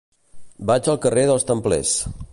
Vaig al carrer dels Templers.